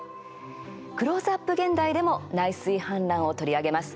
「クローズアップ現代」でも内水氾濫を取り上げます。